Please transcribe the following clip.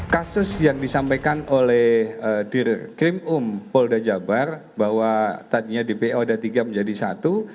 kasus yang disampaikan oleh dir krim um polda jabar bahwa tadinya dpo ada tiga menjadi satu